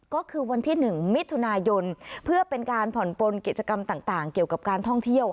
ก็คือวันที่หนึ่งมิถุนายนเพื่อเป็นการผ่อนปลนเกี่ยวกับการท่องเที่ยว